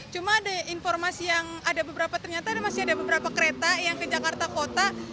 cuma ada informasi yang ada beberapa ternyata masih ada beberapa kereta yang ke jakarta kota